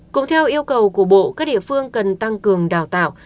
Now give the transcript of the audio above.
cũng theo yêu cầu của bộ các địa phương cần tăng cường đào tạo